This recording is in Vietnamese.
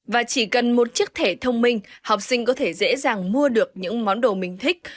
và chỉ cần một chiếc thẻ thông minh học sinh có thể dễ dàng mua được những món đồ mình thích